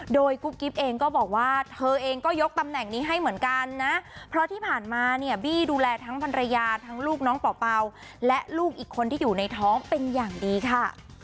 โดยกุ๊บกิ๊บเองก็บอกว่าเธอเองก็ยกตำแหน่งนี้ให้เหมือนกันนะเพราะที่ผ่านมาเนี่ยบี้ดูแลทั้งภรรยาทั้งลูกน้องเป่าและลูกอีกคนที่อยู่ในท้องเป็นอย่างดีค่ะ